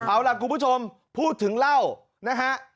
เอาล่ะคุณผู้ชมพูดถึงเหล้านะฮะ